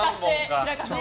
白河さん